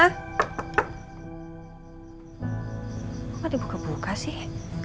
kok gak ada buka buka sih